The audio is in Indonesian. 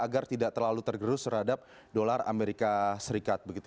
agar tidak terlalu tergerus terhadap dolar amerika serikat